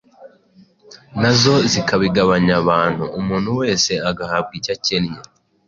nazo zikabigabanya abantu, umuntu wese agahabwa icyo akennye.”